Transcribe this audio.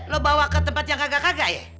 lo bawa ke tempat yang kagak kaga ya